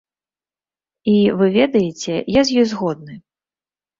І, вы ведаеце, я з ёй згодны.